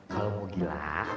kalau mau gila